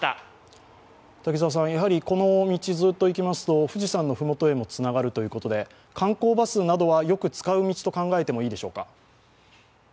この道をずっと行きますと、富士山の麓へもつながるということで観光バスなどは、よく使う道と考えてもいいでしょうか。